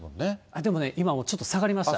でもね、今ちょっと下がりました。